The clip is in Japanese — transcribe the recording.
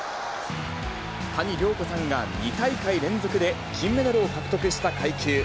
谷亮子さんが２大会連続で金メダルを獲得した階級。